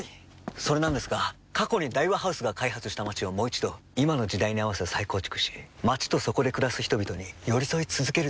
それなんですが過去に大和ハウスが開発した街をもう一度今の時代に合わせ再構築し街とそこで暮らす人々に寄り添い続けるという試みなんです。